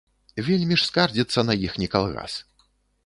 Вельмі ж скардзіцца на іхні калгас.